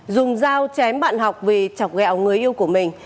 dùng dao chém bạn học vì chọc gẹo người yêu của mình